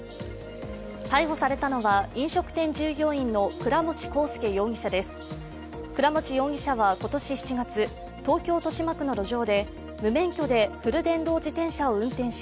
逮捕されたのは飲食店従業員の倉持航輔容疑者です。